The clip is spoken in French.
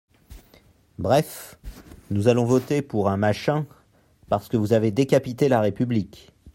Bref, nous allons voter pour un « machin » parce que vous avez décapité la République.